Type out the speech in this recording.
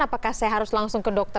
apakah saya harus langsung ke dokter